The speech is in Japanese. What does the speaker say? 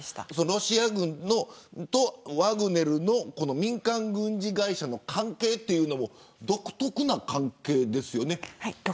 ロシア軍とワグネル民間軍事会社の関係というのも独特な関係です。